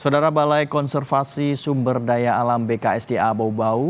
saudara balai konservasi sumber daya alam bksda bau bau